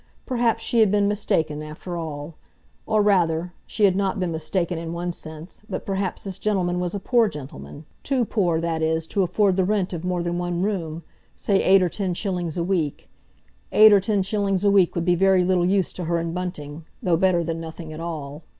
Perhaps she had been mistaken, after all—or rather, she had not been mistaken in one sense, but perhaps this gentleman was a poor gentleman—too poor, that is, to afford the rent of more than one room, say eight or ten shillings a week; eight or ten shillings a week would be very little use to her and Bunting, though better than nothing at all.